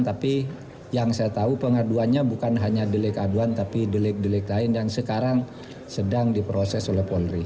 tapi yang saya tahu pengaduannya bukan hanya di lik aduan tapi di lik lik lain yang sekarang sedang diproses oleh polri